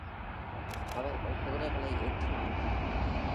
அவர்கள் குதிரைகளை ஏற்றினார்கள்.